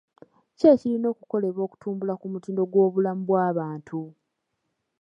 Ki ekirina okukolebwa okutumbula ku mutindo gw'obulamu bw'abantu?